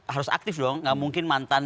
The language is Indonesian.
harus aktif dong gak mungkin mantan